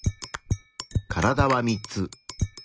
カラダは３つ。